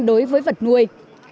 đối với vật nuôi